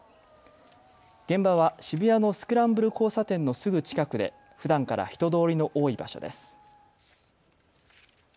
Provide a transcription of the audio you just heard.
現場は渋谷のスクランブル交差点のすぐ近くでふだんから人通りの多い場所です。